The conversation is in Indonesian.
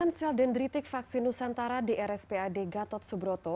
penelitian sel dendritik vaksin nusantara di rspad gatot subroto